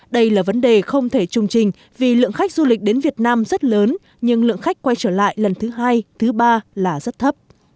đây là vấn đề không thể trung trình vì lượng khách du lịch đến việt nam rất lớn nhưng lượng khách quay trở lại lần thứ hai thứ ba là rất thấp